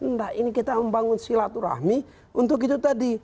enggak ini kita membangun silaturahmi untuk itu tadi